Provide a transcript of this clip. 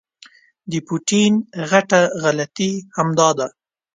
د پوټین غټه غلطي همدا ده.